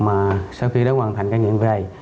mà sau khi đã hoàn thành ca nghiện về